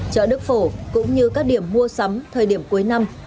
chợ đức phổ cũng như các điểm mua sắm thời điểm cuối năm